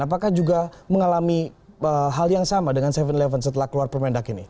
apakah juga mengalami hal yang sama dengan tujuh sebelas setelah keluar permendak ini